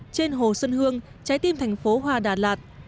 trên hồ xuân hương trái tim thành phố hoa đà lạt